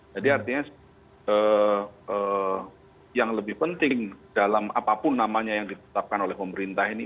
jadi artinya yang lebih penting dalam apapun namanya yang ditetapkan oleh pemerintah ini